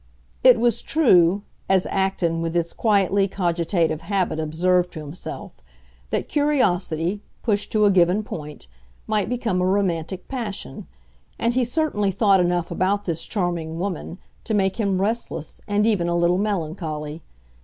It was true, as Acton with his quietly cogitative habit observed to himself, that curiosity, pushed to a given point, might become a romantic passion; and he certainly thought enough about this charming woman to make him restless and even a little melancholy.